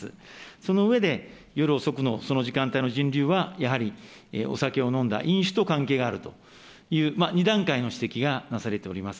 その上で、夜遅くの、その時間帯の人流は、やはりお酒を飲んだ、飲酒と関係があるという、２段階の指摘がなされております。